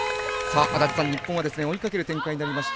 日本は追いかける展開になりました。